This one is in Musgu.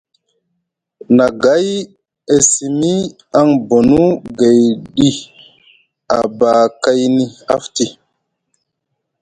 Nagay e simi aŋ bonu gayɗi abakayni afti.